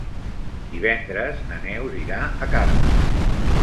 Divendres na Neus irà a Carme.